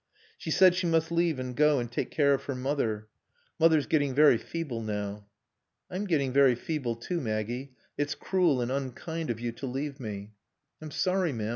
She said she must leave and go and take care of her mother. "Mother's getting very feeble now." "I'm getting very feeble, too, Maggie. It's cruel and unkind of you to leave me." "I'm sorry, ma'am.